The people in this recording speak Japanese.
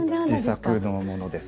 自作のものです。